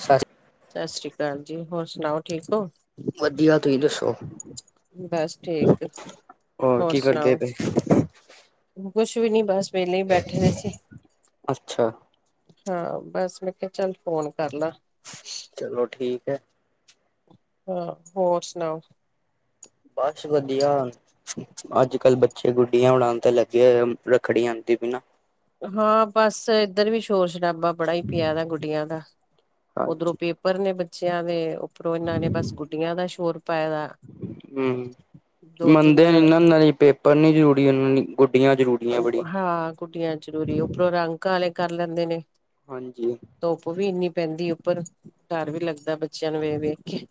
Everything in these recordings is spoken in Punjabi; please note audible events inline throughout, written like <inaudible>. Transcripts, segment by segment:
ਸ ਸਸਰੀ ਅਕਾਲ ਜੀ, ਹੋਰ ਸੁਣਾਓ, ਠੀਕ ਓ? ਵਧੀਆ, ਤੁਹੀ ਦੱਸੋ? ਬਸ ਠੀਕ, ਹੋਰ ਕੀ ਕਰਦੇ ਸੁਣਾਓ, ਪਏ? ਕੁਛ ਵੀ ਨੀ ਬਸ ਵੇਲੇ ਬੈਠੇ ਦੇ ਸੀ। ਅੱਛਾ। ਹਾਂ ਬਸ ਮੈਂ ਕਿਹਾ ਚੱਲ ਫੋਨ ਕਰ ਲਾਂ। ਚਲੋ ਠੀਕ ਐ। ਹਾਂ, ਹੋਰ ਸੁਣਾਓ? ਬਸ ਵਧੀਆ, ਅੱਜ -ਕੱਲ ਬ ਚੇ ਗੁੱਡੀਆਂ ਉਡਾਣ ਤੇ ਲੱਗੇ ਹੋਏ ਆ, ਰੱਖੜੀ ਆਂਦੀ ਪਈ ਨਾ। ਹਾਂ ਬਸ ਇੱਧਰ ਵੀ ਸ਼ੋਰ - ਸ਼ਰਾਬਾ ਬੜਾ ਪਿਆ ਵਾ ਗੁੱਡੀਆਂ ਦਾ, ਓਧਰੋਂ ਹਾਂਜੀ। ਪੇ ਪਰ ਨੇ ਬੱਚਿਆਂ ਦੇ, ਓ ਉਪਰੋਂ ਇਹਨਾਂ ਨੇ ਬਸ ਗੁੱਡੀਆਂ ਦਾ ਸ਼ੋਰ ਪਾਇਆ ਦਾ, ਦੋ- ਤਿੰਨ ਨਹੀ ਪੇ ਪਰ ਨੀ ਜ਼ਰੂਰੀ ਓਨਾਂ ਲਈ, ਗੁੱਡੀਆਂ ਜ਼ਰੂਰੀ ਉ ਹਾਂ ਗੁੱਡੀਆਂ ਜ਼ਰੂਰੀ, ਉਪਰੋਂ ਰੰਗ ਕਾਲੇ ਕਰ ਲੈਂਦੇ ਨੇ। ਹਾਂਜੀ। ਧੁੱਪ ਵੀ ਇੰਨੀ ਪੈਂਦੀ ਉੱਪਰ, ਡਰ ਵੀ ਲੱਗਦਾ ਬੱਚਿਆਂ ਨੂੰ ਵੇਖ- ਵੇਖ ਕੇ।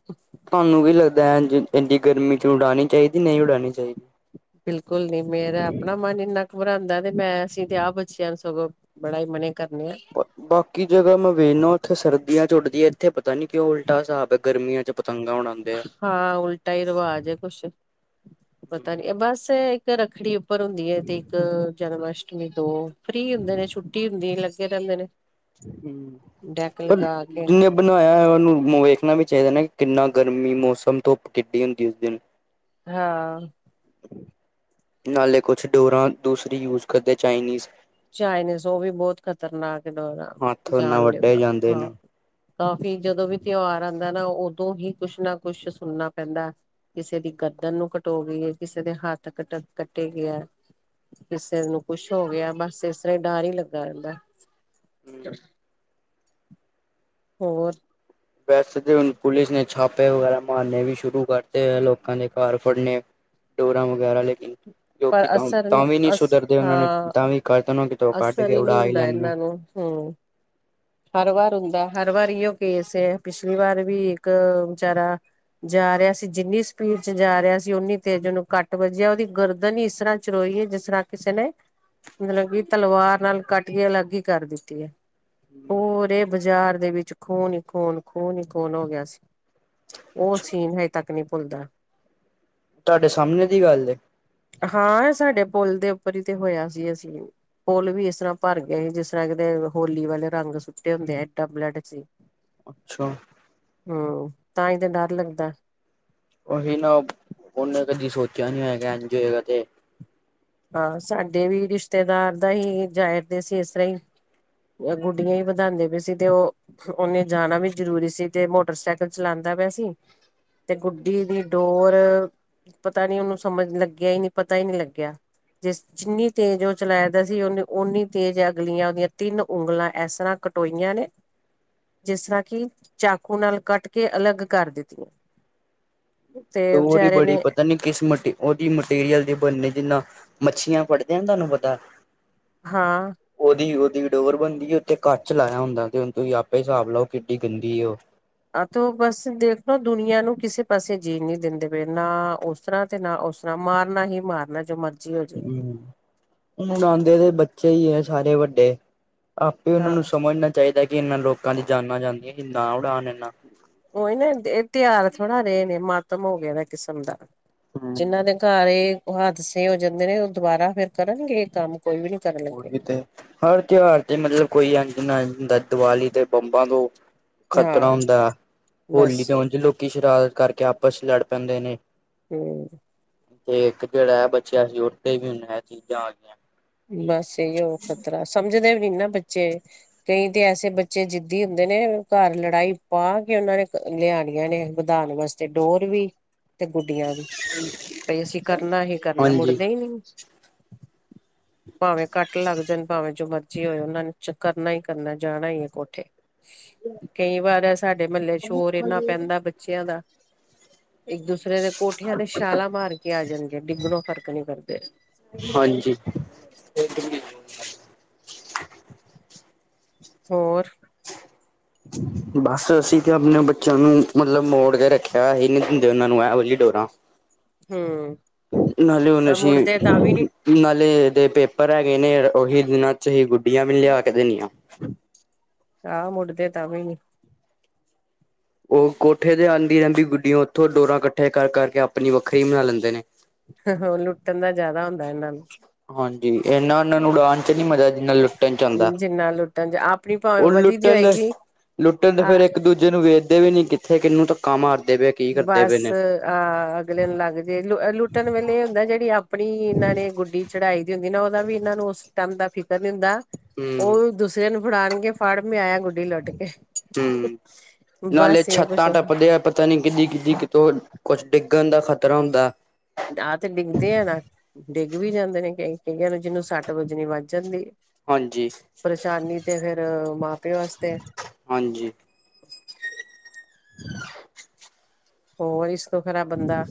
ਤੁਹਾਨੂੰ ਕੀ ਲੱਗਦਾ ਇਜ, ਏਨੀ ਗਰਮੀ ਚ ਉਡਾਉਣੀ ਚਾਹੀਦੀ, ਨਹੀਂ ਉਡਾਉਣੀ ਚਾਹੀਦੀ? ਬਿਲਕੁਲ ਨੀ, ਮੇਰਾ ਆਪਣਾ ਮਨ ਇੰਨਾ ਘਬਰਾਂਦਾ ਤੇ ਮੈਂ ਅਸੀਂ ਤੇ ਆਪ ਬੱਚਿਆਂ ਨੂੰ ਸਗੋਂ ਬੜਾ ਈ ਮਨੇ ਕਰਨੇ ਆ। ਬਾਕੀ ਜਗ੍ਹਾ ਮੈਂ ਵੇਨਾ ਉੱਥੇ ਸਰਦੀਆਂ ਚ ਉੱਡਦੀ ਏ, ਇੱਥੇ ਪਤਾ ਨੀ ਕਿਉਂ ਉਲਟਾ ਹਿਸਾਬ ਏ ਗਰਮੀਆਂ 'ਚ' ਪਤੰਗਾ ਉਡਾਂਦੇ ਆ। ਹਾਂ ਉਲਟਾ ਈ ਰਿਵਾਜ ਏ ਕੁਛ, ਪਤਾ ਨਹੀਂ, ਬਸ ਏ ਇੱਕ ਰੱਖੜੀ ਉਪਰ ਹੁੰਦੀ ਹੈ ਤੇ ਇੱਕ ਜਨਮਸ਼ਟਮੀ ਦੋ, ਫ੍ਰਰੀ ਹੁੰਦੇ ਨੇ ਛੁੱਟੀ ਛੁੱਟੀ ਹੁੰਦੀ ਏ, ਲੱਗੇ ਰਹਿੰਦੇ ਨੇ। ਹੂੰ, ਡੈਕ ਪਰ ਲਗਾ ਕੇ ਨ ਬਣਾਇਆ ਉਹਨੂੰ ਵੇਖਣਾ ਵੀ ਚਾਹੀਦਾ ਨਾ ਕਿੰਨਾ ਗਰਮੀ ਮੌਸਮ ਧੁੱਪ ਕਿੱਡੀ ਹੁੰਦੀ ਉਸ ਦਿਨ। ਹਾ। <inaudible> ਨਾਲੇ ਕੁਛ ਡੋਰਾਂ ਦੂਸਰੀ ਯੂਜ ਕਰਦੇ ਚਾਈਨੀਜ਼ ਚਾਈਨੀਜ਼ ਉਹ ਵੀ ਬਹੁਤ ਖ਼ਤਰਨਾਕ ਡੋਰ ਆ ਹੱਥ ਨਾ ਜਾਣ ਵੱਡੇ ਲੇਵਾ ਜਾਂਦੇ ਹਾਂ। ਨੇ ਕਾਫ਼ੀ ਜਦੋਂ ਵੀ ਤਿਉਹਾਰ ਆਉਂਦਾ ਨਾ ਉਦੋਂ ਹੀ ਕੁਛ ਨਾ ਕੁਛ ਸੁਣਨਾ ਪੈਂਦਾ ਕਿਸੇ ਦੀ ਗਰਦਨ ਨੂੰ ਕਟੋ ਗਈ ਏ ਕਿਸੇ ਦੇ ਹੱਥ ਕੱਟ ਕੱਟੇ ਗਏ ਆ। ਕਿਸੇ ਨੂੰ ਕੁੱਛ ਹੋ ਗਿਆ ਬਸ ਇਸ ਤਰ੍ਹਾਂ ਹੀ ਡਰ ਹੀ ਲੱਗਾ ਰਹਿੰਦਾ। ਹੋਰ। ਵੈਸੇ ਤੇ ਹੁਣ ਪੁਲਿਸ ਨੇ ਛਾਪੇ ਵਗੈਰਾ ਮਾਰਨੇ ਵੀ ਸ਼ੁਰੂ ਕਰਤੇ ਹੋਏ ਲੋਕਾਂ ਦੇ ਘਰ ਫੜਨੇ ਡੋਰਾ ਵਗੈਰਾ ਲੇਕਿ ਪਰ ਲੋਕੀ ਅਸਰ ਤਾਂ ਵੀ ਨੀ ਅਸ ਸੁਧਰਦੇ ਉਹਨਾ ਨੇ ਹਾਂ ਤਾਂ ਵੀ ਕਰ ਉਹ ਕਿ ਉਹ ਕੱਢ ਕੇ ਉੜਾ ਹੀ ਲੈਂਣਦੇ ਨੇ ਹੂੰ ਹੂੰ ਹਰ ਵਾਰ ਹੁੰਦਾ ਹਰ ਵਾਰ ਓ ਕੇਸ ਏ ਪਿਛਲੀ ਵਾਰ ਵੀ ਇੱਕ ਵਿਚਾਰਾ ਜਾ ਰਿਹਾ ਸੀ ਜਿੰਨੀ ਸਪੀਡ ਚ ਜਾ ਰਿਹਾ ਸੀ ਉਨੀ ਤੇਜ ਉਹਨੂੰ ਕੱਟ ਵੱਜਿਆ ਉਹਦੀ ਗਰਦਨ ਹੀ ਇਸ ਤਰ੍ਹਾਂ ਚਰੋਈਏ ਜਿਸ ਤਰ੍ਹਾਂ ਕਿਸੇ ਨੇ ਮਤਲਬ ਕਿ ਤਲਵਾਰ ਨਾਲ ਕੱਟ ਕੇ ਅਲੱਗ ਹੀ ਕਰ ਦਿੱਤੀ ਹੈ। ਪੂਰੇ ਬਾਜ਼ਾਰ ਦੇ ਵਿੱਚ ਖੂਨ ਹੀ ਖੂਨ ਖੂਨ ਹੀ ਖੂਨ ਹੋ ਗਿਆ ਸੀ। ਉਹ ਸੀਨ ਹਜੇ ਤੱਕ ਨਹੀਂ ਭੁੱਲਦਾ। ਤੁਹਾਡੇ ਸਾਹਮਣੇ ਦੀ ਗੱਲ ਏ ਹਾਂ ਸਾਡੇ ਪੁਲ ਦੇ ਉੱਪਰ ਹੀ ਤੇ ਹੋਇਆ ਸੀ ਅਸੀਂ ਪੁਲ ਵੀ ਇਸ ਤਰ੍ਹਾਂ ਭਰ ਗਿਆ ਏ ਜਿਸ ਤਰ੍ਹਾਂ ਕਿਤੇ ਹੋਲੀ ਵਾਲੇ ਰੰਗ ਸੁੱਟੇ ਹੁੰਦੇ ਆ ਐਡਾ ਬਲੱਡ ਸੀ। ਅੱਛਾ। ਹੂੰ ਤਾਂ ਹੀ ਤਾਂ ਡਰ ਲੱਗਦਾ। ਉਹੀ ਨਾ ਉਹਨੇ ਕਦੀ ਸੋਚਿਆ ਨੀ ਹੋਏਗਾ ਇੰਜ ਹੋਏਗਾ ਤੇ ਹਾਂ ਸਾਡੇ ਵੀ ਰਿਸ਼ਤੇਦਾਰ ਤਾਂ ਹੀ ਜਾ ਆਦੇ ਸੀ ਇਸ ਤਰ੍ਹਾਂ ਹੀ ਗੁੱਡੀਆਂ ਹੀ ਵਧਾਉਂਦੇ ਪਏ ਸੀ ਤੇ ਉਹ ਉਹਨੇ ਜਾਣਾ ਵੀ ਜਰੂਰੀ ਸੀ ਤੇ ਮੋਟਰਸਾਈਕਲ ਚਲਾਉਂਦਾ ਪਿਆ ਸੀ। ਤੇ ਗੁੱਡੀ ਦੀ ਡੋਰ ਪਤਾ ਨੀ ਉਹਨੂੰ ਸਮਝ ਲੱਗਿਆ ਹੀ ਨਹੀਂ ਪਤਾ ਹੀ ਨਹੀਂ ਲੱਗਿਆ। ਜਿਸ ਜਿੰਨੀ ਤੇਜ਼ ਉਹ ਚਲਾਇਦਾ ਸੀ ਨੀ ਉਨੇ ਉਨੀ ਤੇਜ਼ ਅਗਲੀਆਂ ਉਹਦੀਆਂ ਤਿੰਨ ਉਂਗਲਾਂ ਇਸ ਤਰ੍ਹਾਂ ਕਟੋਈਆਂ ਨੇ। ਜਿਸ ਤਰ੍ਹਾਂ ਕਿ ਚਾਕੂ ਨਾਲ ਕੱਟ ਕੇ ਅਲੱਗ ਕਰ ਦਿੱਤੀਆਂ। ਤੇ ਡੋਰੀ ਈ ਵਿਚਾਰੇ ਬੜੀ ਨੇ ਪਤਾ ਨੀ ਕਿਸ ਮਟੀ ਉਹਦੀ ਮਟੀਰੀਅਲ ਦੇ ਬੰਨੇ ਜਿੰਨਾ ਮੱਛੀਆਂ ਫੜਦੇ ਤੁਹਾਨੂੰ ਪਤਾ ਹਾਂ। ਓਦੀ ਉਹਦੀ ਡੋਰ ਬਣਦੀ ਉੱਤੇ ਕੱਚ ਲਾਇਆ ਹੁੰਦਾ ਤੇ ਤੁਸੀਂ ਆਪੇ ਹਿਸਾਬ ਲਓ ਕਿੱਡੀ ਗੰਦੀ ਉਹ ਆ ਤੋ ਬਸ ਦੇਖਲੋ ਦੁਨੀਆਂ ਨੂੰ ਕਿਸੇ ਪਾਸੇ ਜੀਣ ਨੀ ਦਿੰਦੇ ਪਏ ਨਾ ਉਸ ਉਸ ਤਰਾਂ ਤੇ ਨਾ ਉਸ ਤਰ੍ਹਾਂ ਮਾਰਨਾ ਹੀ ਮਾਰਨਾ ਜੋ ਮਰਜ਼ ਹੂੰ ਹੁਣ ਆਉਂਦੇ ਤੇ ਬੱਚੇ ਹੀ ਹੈ ਸਾਰੇ ਵੱਡੇ ਆਪੇ ਉਹਨਾਂ ਹਾਂ ਨੂੰ ਸਮਝਣਾ ਚਾਹੀਦਾ ਕਿ ਇਹਨਾਂ ਲੋਕਾਂ ਦੀ ਜਾਨਾਂ ਜਾਂਦੀਆਂ ਕਿ ਨਾ ਉਡਾਣ ਇਨਾ ਉਹੀ ਨਾ ਇਹ ਤਿਉਹਾਰ ਥੋੜਾ ਰਹੇ ਨੇ ਮਾਤਮ ਹੋ ਗਿਆ ਦਾ ਕਿਸਮ ਦਾ ਹਮ ਜਿਹਨਾਂ ਦੇ ਘਰੇ ਹਾਦਸੇ ਹੋ ਜਾਂਦੇ ਨੇ ਉਹ ਦੁਬਾਰਾ ਫੇਰ ਕਰਨਗੇ ਇਹ ਕੰਮ ਕੋਈ ਵੀ ਨੀ ਕਰਨ ਲੱਗੇ ਉਹੀ ਤੇ ਹਰ ਤਿਉਹਾਰ ਤੇ ਮਤਲਬ ਕੋਈ ਇੰਜ ਨਾ ਹੁੰਦਾ ਦੀਵਾਲੀ ਤੇ ਬੰਬਾ ਤੋਂ ਖ਼ਤਰਾ ਹਾਂ ਹੁੰਦਾ, ਹੋਲੀ ਬਸ ਤੇ ਉਝ ਲੋਕੀ ਕੀ ਸ਼ਰਾਰਤ ਕਰਕੇ ਆਪਸ ਚ ਲੜ ਪੈਂਦੇ ਨੇ ਹੂੰ ਤੇ ਇੱਕ ਜਿਹੜਾ ਹੈ ਬੱਚਿਆਂ ਚ ਉਠਦੇ ਵੀ ਹੁਣ ਇਹ ਚੀਜ਼ਾਂ ਆ ਗਈ। ਬਸ ਇਹੀਓ ਖ਼ਤਰਾ ਸਮਝਦੇ ਵੀ ਨੀ ਨਾ ਬੱਚੇ ਕਈ ਤੇ ਐਸੇ ਬੱਚੇ ਜਿੱਦੀ ਹੁੰਦੇ ਨੇ ਘਰ ਲੜਾਈ ਪਾ ਕੇ ਉਹਨਾਂ ਨੇ ਲਿਆਣੀਆਂ ਨੇ ਵਧਾਣ ਵਾਸ ਤੇ ਡੋਰ ਵੀ ਤੇ ਗੁੱਡੀਆਂ ਵੀ ਭਈ ਅਸੀਂ ਕਰਨਾ ਹੀ ਕਰਨਾ ਹਾਂਜੀ। ਮੁੜਦੇ ਹੀ ਨਈ। ਭਾਵੇਂ ਕੱਟ ਲੱਗ ਜਾਣ ਭਾਵੇਂ ਜੋ ਮਰਜ਼ੀ ਹੋਏ ਉਹਨਾਂ ਨੂੰ ਕਰਨਾ ਹੀ ਕਰਨਾ ਜਾਣਾ ਹੀ ਏ ਕੋਠੇ ਕਈ ਵਾਰ ਸਾਡੇ ਮਹੱਲੇ ਸ਼ੋਰ ਇਨਾ ਪੈਂਦਾ ਬੱਚਿਆਂ ਦਾ। ਇੱਕ ਦੂਸਰੇ ਦੇ ਕੋਠਿਆਂ ਤੇ ਛਾਲਾਂ ਮਾਰ ਕੇ ਆ ਜਾਂਣਗੇ ਡਿੱਗਣੋ ਫਰਕ ਨੀਂ ਕਰਦੇ। ਹਾਂਜੀ। <inaudible> ਹੋਰ ਬਸ ਅਸੀਂ ਤਾਂ ਆਪਣੇ ਬੱਚਿਆਂ ਨੂੰ ਮਤਲਬ ਮੋੜ ਕੇ ਰੱਖਿਆ ਅਹੀ ਨੀ ਦਿੰਦੇ ਉਹਨਾਂ ਨੂੰ ਐਹੋ ਜੀ ਡੋਰਾਂ ਹੂੰ। ਨਾਲੇ ਹੁਣ ਪਰ ਅਸੀਂ ਮੁੜਦੇ ਤਾਂ ਵੀ ਨੀ ਨਾਲੇ ਦੇ ਪੇਪਰ ਹੈਗੇ ਨੇ ਉਹੀ ਦਿਨਾਂ ਚ ਅਸੀਂ ਗੁੱਡੀਆਂ ਵੀ ਨੀਂ ਲਿਆ ਕੇ ਦੇਣੀਆ। ਆਹ ਮੁੱਢ ਦੇ ਤਾਂ ਵੀ ਨੀ। ਉਹ ਕੋਠੇ ਤੇ ਆਦੀਂ ਆਦੀਂ ਗੁੱਡੀਆ ਉੱਥੋਂ ਡੋਰਾਂ ਕੱਠੇ ਕਰ ਕਰਕੇ ਆਪਣੀ ਵੱਖਰੀ ਬਨਾ ਲੈਂਦੇ ਨੇ। ਲੁੱਟਣ ਦਾ ਜਿਆਦਾ ਹੁੰਦਾ ਇਹਨਾਂ ਨੂੰ ਹਾਂਜੀ ਇਹਨਾ ਉਹਨਾਂ ਨੂੰ ਡਾਂਨ ਚ ਨੀ ਮਜ਼ਾ ਜਿਨਾ ਲੁ ਲੁੱਟਣ ਚ ਆਦਾ, ਜਿੰਨਾ ਲੁੱਟਣ ਚ ਆਪਣੀ ਭਾਵੇਂ ਉਹ ਵਧੀ ਦੀ ਲੁੱਟਣ ਹੋਏਗੀ ਲੁੱਟਣ ਤੇ ਆ ਫੇਰ ਇੱਕ ਦੂਜੇ ਨੂੰ ਵੇਖਦੇ ਵੀ ਨੀ ਕਿੱਥੇ ਕਿਹਨੂੰ ਧੱਕਾ ਮਾਰਦੇ ਪਏ। ਕੀ ਕਰਦੇ ਬਸ ਪਏ ਨੇ। ਆ ਅਗਲੇ ਨੂੰ ਲੱਗ ਜੇ ਲੁੱਟਣ ਵੇਲੇ ਇਹ ਹੁੰਦਾ ਜਿਹੜੀ ਆਪਣੀ ਇਨਾਂ ਨੇ ਗੁੱਡੀ ਚੜਾਈ ਦੀ ਹੁੰਦੀ ਨਾ ਉਹਦਾ ਵੀ ਇਨਾਂ ਨੂੰ ਉਸ ਟੈਮ ਦਾ ਫਿਕਰ ਨੀ ਹੁੰਦਾ ਹੂੰ ਉਹ ਦ ਸਰੇ ਨੂੰ ਫੜਾਨਗੇ ਫੜ ਮੈ ਆਇਆ ਗ ਹੂੰ, ਨਾਲੇ ਬਸ ਇਹ ਕੁਛ ਛੱਤਾਂ ਟੱਪਦੇ ਆ ਪਤਾ ਨੀ ਕਿੱਡੀ ਕਿੱਡੀ ਕਿਤੋਂ ਕੁਛ ਡਿੱਗਣ ਦਾ ਖ਼ਤਰਾ ਹੁੰਦਾ। ਆ ਤੇ ਡਿੱਗਦੇ ਆ ਨਾ ਡਿੱਗ ਵੀ ਜਾਂਦੇ ਨੇ ਕਈ ਕਈ ਆਂ ਜਿਹਨੂੰ ਸੱਟ ਵੱਜਣੀ ਵੱਜ ਜਾਂਦੀ ਆ। ਹਾਂਜੀ ਪਰੇਸ਼ਾਨੀ ਤੇ ਫੇਰ ਮਾਂ ਪਿਓ ਵਾਸਤੇ‌ ਐ ਹਾਂਜੀ <inaudible> ਹੋਰ ਇਸ ਤੋਂ ਖਰਾ ਬੰਦਾ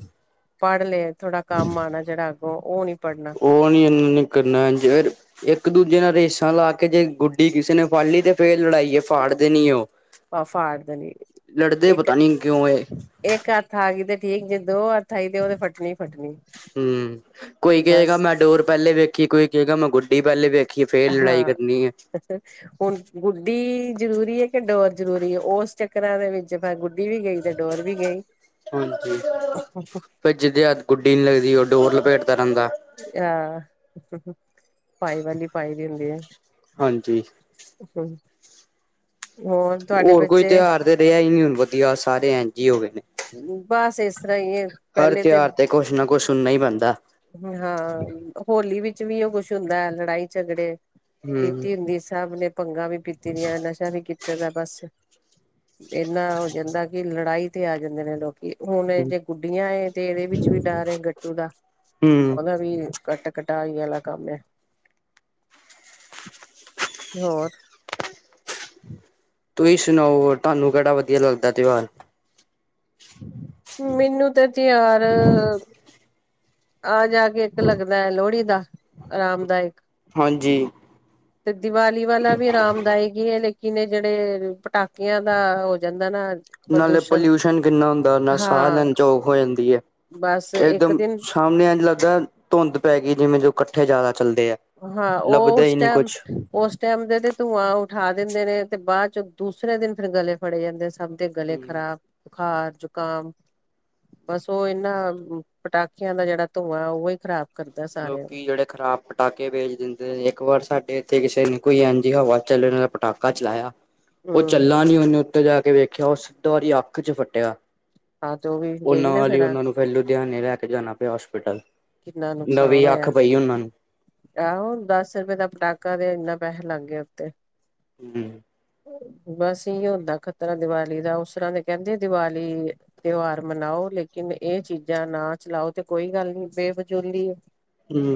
ਪੜ੍ਹ ਲੈ ਥੋੜਾ ਕੰਮ ਆਂਣਾ ਜਿਹੜਾ ਅੱਗੋਂ ਉਹ ਨੀ ਪੜ੍ਹਨਾ। ਉਹ ਨੀ ਇਨਾਂ ਨੇ ਕਰਨਾ <unintelligible> ਇੱਕ ਦੂਜੇ ਨਾਲ ਰੇਸਾਂ ਲਾ ਕੇ ਜੇ ਗੁੱਡੀ ਕਿਸੇ ਨੇ ਫੜੀ ਲੀ ਤੇ ਫੇਰ ਲੜਾਈ ਏ ਫਾੜ ਦੇਣੀ ਐ ਉਹ ਆ ਫਾੜ ਦੇਣੀ ਲੜਦੇ ਇੱਕ ਪਤਾ ਨੀ ਕਿਉਂ ਐ? ਇੱਕ ਹੱਥ ਆ ਗਈ ਤੇ ਠੀਕ ਜੇ ਦੋ ਹੱਥ ਆਈ ਤੇ ਉਹ ਤੇ ਫੱਟਣੀ ਹੂੰ ਕੋਈ ਕਹੇਗਾ ਬਸ ਮੈਂ ਡੋਰ ਪਹਿਲੇ ਵੇਖੀ ਕੋਈ ਕਹੇਗਾ ਮੈਂ ਗੁੱਡੀ ਪਹਿਲੇ ਵੇਖੀ ਫੇਰ ਲੜਾਈ ਹਾਂ ਕਰਨੀ ਏ। <inaudible> ਹੁਣ ਗੁੱਡੀ ਜ਼ਰੂਰੀ ਏ ਕਿ ਡੋਰ ਜਰੂਰੀ‌ ਐ ਉਸ ਚੱਕਰਾਂ ਦੇ ਵਿੱਚ ਫੇਰ ਗੁੱਡੀ ਵੀ ਗਈ ਤੇ ਡੋਰ ਵੀ ਗਈ। ਹਾਂਜੀ ਫਿਰ ਜਿਦੇ ਹੱਥ ਗੁੱਡੀ ਨੀ ਲੱਗਦੀ ਉਹ ਡੋਰ ਲਪੇਟ ਦਾ ਰਹਿੰਦਾ। ਹਾਂ, ਪਾਈ ਵਾਲੀ ਪਾਈ ਦੀ ਹੁੰਦੀ‌ ਐ। ਹਾਂਜੀ <unintelligible> ਤੁਹਾਡੇ ਹੋਰ ਕੋਈ ਬੱਚੇ ਤਿਉਹਾਰ ਤੇ ਰਿਹਾ ਹੀ ਨੀ ਹੁਣ ਵਧੀਆ ਸਾਰੇ ਐਝ ਹੀ ਹੋ ਗਏ ਨੇ। ਬਸ ਏਸ ਤਰਾਂ ਏ ਹਰ ਪੈਲੇ ਤੇ, ਤਿਉਹਾਰ ਕੁਛ ਨਾ ਕੁਛ ਸੁਣਨਾ ਹੀ ਪੈਂਦਾ ਹਾਂ ਹੋਲੀ ਵਿਚ ਵੀ ਏ ਕੁੱਛ ਹੁੰਦਾ ਐ, ਲੜਾਈ ਝਗੜੇ ਹਮ ਪੀਤੀ ਹੁੰਦੀ ਏ ਸਭ ਨੇ ਭੰਗਾਂ ਵੀ ਪੀਤੀ ਦੀਆਂ ਨਸ਼ ਕੀਤੇ ਦਾ ਬਸ, ਏਨਾ ਹੋ ਜਾਂਦਾ ਕੀ ਲੜਾਈ ਤੇ ਜਾਂਦੇ ਨੇ ਲੋਕ। ਹੁਨ ਜੇ ਗੁੱਡੀਆਂ ਏ ਤੇ ਏਦੇ ਵੀਚ ਵੀ ਡਰ ਏ ਗੱਟੂ ਦਾ ਹਮ ਓਦਾ ਵੀ ਕੱਟ ਕਟਾਈ ਆਲਾ ਕੰਮ ਏ <inaudible> ਹੋਰ? ਤੁਈਂ ਸੁਣਾਓ ਤਾਨੂੰ ਕੈੜਾ ਵਦੀਆ ਲੱਗਦਾ ਤੇਓਰ? ਮੇਨੂੰ ਤੇ ਤੇਆਰ ਆ ਜਾ ਕੇ ਏਕ ਲੱਗਦਾ ਐ ਲੋਹੜੀ ਦਾ, ਆਰਾਮਦਾਇਕ, ਹਾਂਜੀ ਤੇ ਦੀਵਾਲੀ ਵਾਲਾ ਵੀ ਆਰਾਮਦਾਇਕ ਈ ਏ ਲੇਕਿਨ ਏ ਜੇੜੇ, ਪਟਾਕੇਆਂ ਦਾ ਹੋ ਜਾਂਦਾ ਨਾ ਨਾਲੇ ਪ੍ਰਦੂਸ਼ਣ ਪਲੇਊਸ਼ਨ ਕਿਨਾ ਹੁੰਦਾ ਓਨਾ ਸਾ ਹਾਂ ਲੈਣ ਚ ਔਖ ਹੋ ਜਾਂਦੀ ਐ, ਬਸ ਏ ਇੱਕ ਦਮ ਦਿਨ ਸਾਮਨੇ ਐਂਜ ਲੱਗਦਾ ਧੁੰਦ ਪੈ ਗਈ ਜਿਵੇਂ ਜੋ ਕੱਠੇ ਜਾਦਾ ਚੱਲਦੇ ਆ। ਹਾਂ ਓ ਲੱਭਦਾ ਓਸ ਹੀ ਨਹੀਂ ਟਾਈਮ, ਕੁਛ ਓਸ ਟਾਈਮ ਦੇ ਤੇ ਧੂੰਆਂ ਉਠਾ ਦਿੰਦੇ ਨੇ ਤੇ ਬਾ ਚ ਦੂਸਰੇ ਦਿਨ ਫੇਰ ਗਲੇ ਫੜੇ ਜਾਂਦੇ ਸਭ ਤੇ ਗਲੇ ਹਮ ਖ਼ਰਾਬ, ਬੁਖਾਰ, ਜ਼ੁਕਾਮ ਬਸ ਓ ਏਨਾਂ, ਪਟਾਕੇਆਂ ਦਾ ਜੇੜਾ ਧੂੰਆਂ ਓ ਏ ਖਰਾਬ ਲੋਕੀ ਜੇੜੇ ਖ਼ਰਾਬ ਪਟਾਕੇ ਵੇਚ ਦਿੰਦੇ ਤੇ ਏਕ ਵਾਰ ਸਾਡੇ ਏਥੇ ਕਿਸੇ ਨੇ ਕੋਈ ਐਂਜ ਈ ਹਵਾ ਚੱਲਣ ਆਲਾ ਪਟਾਕਾ ਚਲਾਏਆ ਓ ਹਮ ਚੱਲਾਂ ਨੀ ਓਨੇ ਓਤੇ ਜਾ ਕੇ ਵੇਖੇਆ ਓ ਸਿੱਧਾ ਓਦੀ ਅੱਖ ਚ ਫੱਟੇਆ। ਹਾਂ, ਤਾਂ ਓ ਵੀ ਓ ਗਈ ਨਾ ਨਾਲ ਈ ਆ ਓਨਾਂ ਨੂੰ ਫੇਰ ਲੁਧਿਆਣੇ ਲੈ ਕੇ ਜਾਣਾ ਪੇਆ ਹੋਸਪੀਟਲ। ਕਿੰਨਾ ਨਵੀ ਨੁਕਸਾਨ ਅੱਖ ਹੋਇਆ ਪਈ ਓਨਾਂ ਨੂੰ। ਆਹੋ, ਦਸ ਰੁਪਏ ਦਾ ਪਟਾਕਾ ਤੇ ਏਨੇ ਪੈਹੇ ਲੱਗ ਗੇ ਉਤੇ। ਹੂੰ। ਬਸ ਏਈ ਓ ਹੁੰਦਾ ਖਤਰਾ ਦੀਵਾਲੀ ਦਾ ਉਸਤਰਾ ਤਾਂ ਕੈਂਦੇ ਆ ਦੀਵਾਲੀ ਤੇਓਆਰ ਮਨਾਓ ਲੇਕਿਨ ਏ ਚੀਜ਼ਾਂ ਨਾ ਚਲਾਓ ਤੇ ਕੋਈ ਗੱਲ ਨੀ ਬੇਫਜੂਲੀ ਹੂੰ।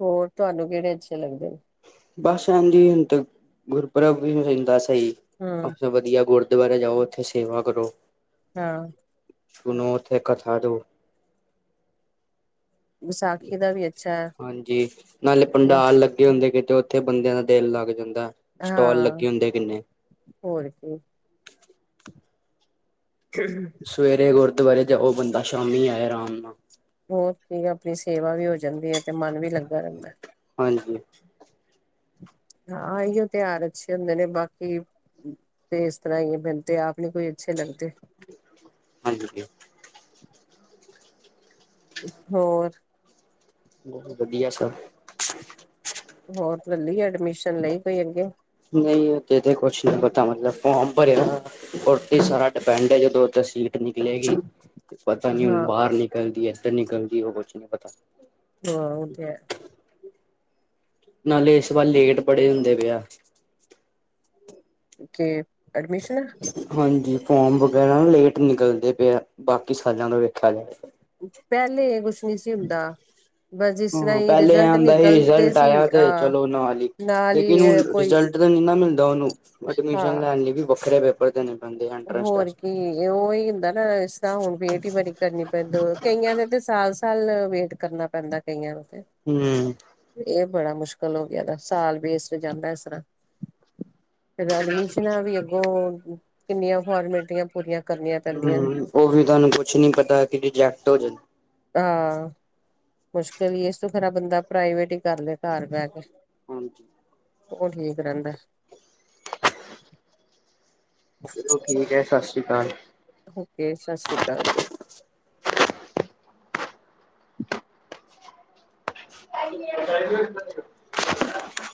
ਹੋਰ ਤੁਆਨੂੰ ਕੇੜੇ ਅੱਛੇ ਲੱਗਦੇ? ਬਸ ਹਾਂਜੀ ਹੁਨ ਤੇ ਗੁਰਪਰਬ ਵੀ ਹੂੰ, <unintelligible> ਵਦੀਆ ਗੁਰ ਦੁਆਰੇ ਜਾਓ ਉਥੇ ਸੇਵਾ ਕਰੋ। ਹਾਂ। ਸੁਨੋ ਉਥੇ ਕਥਾ ਦੋ ਵਿਸਾਖੀ ਦਾ ਵੀ ਅੱਛਾ ਹੈ। ਹਾਂਜੀ, ਨਾਲੇ ਬਸ ਪੰੰਡਾਲ ਲੱਗੇ ਹੁੰਦੇ ਆ ਕਿਤੇ ਓ ਤੇ ਬੰਦੇਆਂ ਦਾ ਦਿਲ ਲੱਗ ਜਾਂਦਾ। ਸਟਾਲ ਹਾਂ। ਲੱਗੇ ਹੁੰਦੇ ਕਿੰਨੇ ਹੋਰ ਕੀ, <inaudible> ਸਵੇਰੇ ਗੁਰਦੁਆਰੇ ਜਾਓ ਬੰਦਾ, ਸ਼ਾਮੀ ਆਏ ਰਾਮ ਨਾ। ਹੋਰ ਕੀਏ ਆਪਣੀ ਸੇਵਾ ਵੀ ਹੋ ਜਾਂਦੀ ਏ ਤੇ ਮਨ ਵੀ ਲੱਗਾ ਰੈਦਾ ਐ। ਹਾਂਜੀ। ਹਾਂ, ਐਈਓ ਤੇਆਰ ਅੱਛੇ ਹੁੰਦੇ ਨੇ ਬਾਕੀ ਤੇ ਇਸ ਤਰਾਂ ਈ ਏ ਮੇਨੂੰ ਤਾ ਆਪ ਨੀ ਕੋਈ ਅੱਛੇ ਲੱਗਦੇ। ਹਾਂਜੀ। ਹੋਰ? ਬਹੁਤ ਵਦੀਆ ਸਬ। ਹੋਰ ਘੱਲੀ ਆ ਡਮੀਸ਼ਨ ਲਈ ਕੋਈ ਅੱਗੇ? ਨਈ ਓ ਤੇ ਤਾ ਕੁਛ ਨੀ ਪਤਾ ਮਤਲਬ ਫੌਮ ਭਰਿਆ। ਉਤੇ ਹੂੰ ਸਾਰਾ ਡਿਪੈਂਡ ਏ ਜਦੋਂ ਉਧਰ ਸੀਟ ਨਿਕਲੇਗੀ ਪਤਾ ਨੀ ਹੁਣ ਹਾਂ ਬਾਰ ਨਿਕ ਐਲ ਡੀ ਐਸ ਤੇ ਨਿਕਲਦੀ ਏ ਓ ਕੁਛ ਨੀ ਪਤਾ ਹਾ ਓ ਤੇ ਹੈ। ਨਾਲੇ ਏਸ ਵਾਰ ਲੇਟ ਬੜ੍ਹੇ ਹੁੰਦੇ ਵੇ ਆ। ਕਿ ਐਡਮਿਸ਼ਨ ਹਾਂਜੀ ਫੋਰਮ ਵਗੈਰਾ ਨਾ ਲੇਟ ਨਿਕਲਦੇ ਪਏ ਆ ਬਾਕੀ ਸਾਲਾਂ ਦਾ ਵੇਖਿਆ ਜਾਏ। ਪੈਲੇ ਏ ਕੁਛ ਨੀ ਸੀ ਹੁੰਦਾ। ਬਸ ਜਿਸ ਤਰ੍ਹਾਂ ਹੂੰ ਹੀ ਪੈਲੇ ਏ ਰਿਜਲਟ ਆਂਦਾ ਹੀ ਨਿਕਲਦੇ ਰਿਜਲਟ ਸੀ ਆਇਆ ਤੇ ਅਹ ਚਲੋ ਨਾਲ ਈ ਨਾਲ ਹੀ ਲੇਕਿਨ ਹੁਣ ਕੋਈ ਰਿਜਲਟ ਇਦੇ ਨਈ ਨਾ ਮਿਲਦਾ ਉਨੂੰ ਹਾਂ ਐਡਮਿਸ਼ਨ ਲੈਣ ਲਈ ਵੀ ਵੱਖਰੇ ਪੇਪਰ ਦੇਣੇ ਪੈਂਦੇ ਆ। ਹੋਰ ਕੀ ਏ ਉਹੀ ਹੁੰਦਾ। ਇਸ ਤਰ੍ਹਾਂ ਹੁਣ ਵੇਟ ਈ ਬੜੀ ਕਰਨੀ ਪੈਂਦੀ ਕਈਆਂ ਦੇ ਤੇ ਸਾਲ-ਸਾਲ ਵੇਟ ਕਰਨਾ ਪੈਂਦਾ ਕਈਆਂ ਨੂੰ ਤੇ ਹੂੰ ਏ ਬੜਾ ਮੁਸ਼ਕਿਲ ਹੋ ਗਿਆ ਦਾ ਸਾਲ ਵੇਸਟ ਜਾਂਦਾ ਇਸ ਰ੍ਹਾਂ ਫਿਰ ਐਡਮਿਸ਼ਨਾਂ ਵੀ ਅੱਗੋਂ ਕਿੰਨੀਆਂ ਫੋਰਮੈਲਟੀਆਂ ਪੂਰੀਆਂ ਕਰਨੀਆਂ ਪੈਂਦੀਆਂ। ਓ ਵੀ ਤੁਆਨੂੰ ਕੁਛ ਨੀ ਪਤਾ ਕਿ ਰਿਜੈਕਟ ਹੋ ਜੇ। ਹਾਂ ਮੁਸ਼ਕਿਲ ਈ ਏ ਇਸ ਤੋਂ ਖਰਾ ਬੰਦਾ ਪ੍ਰਾਈਵੇਟ ਈ ਕਰ ਲਏ ਘਰ ਬੈ ਕੇ ਹਾਂਜੀ ਓ ਠੀਕ ਰੈਂਦਾ। ਚਲੋ ਠੀਕ ਐ ਸਤਿ ਸ਼੍ਰੀ ਅਕਾਲ। ਓਕੇ ਸਸਰੀਕਾਲ ਜੀ। <inaudible>